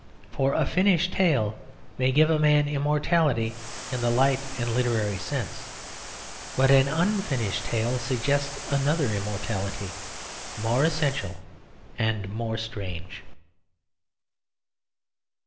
For a finished tale may give a man immortality in the light and literary sense; but an unfinished tale suggests another immortality, more essential and more strange.